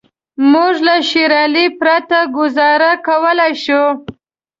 موږ له شېر علي پرته ګوزاره کولای شو.